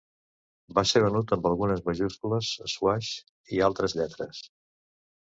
Va ser venut amb algunes majúscules swash i altres lletres.